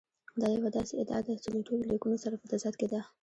دا یوه داسې ادعا ده چې له ټولو لیکونو سره په تضاد کې ده.